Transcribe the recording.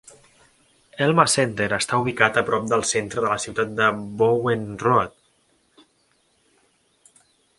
Elma Center està ubicat a prop del centre de la ciutat a Bowen Road.